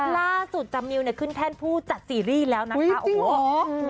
ล่าสุดจามิวเนี่ยขึ้นแท่นผู้จัดซีรีส์แล้วนะคะโอ้โห